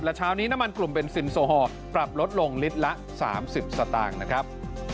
และเช้านี้น้ำมันกลุ่มเบนซินโซฮอล์ปรับลดลงลิตรละ๓๐สตางค์นะครับ